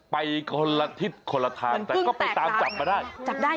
ไปคนละทิศคนละทางแต่ก็ไปตามจับมาได้เหมือนกึ่งแตกตามนะครับ